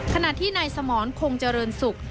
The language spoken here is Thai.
ขณะที่นายสมรคงเจริญศุกร์